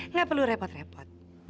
nggak perlu repot repot